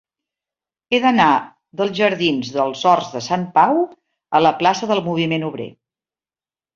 He d'anar dels jardins dels Horts de Sant Pau a la plaça del Moviment Obrer.